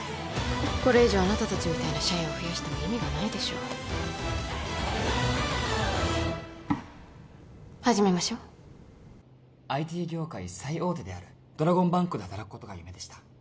これ以上あなた達みたいな社員を増やしても意味がないでしょう始めましょうＩＴ業界最大手であるドラゴンバンクで働くことが夢でした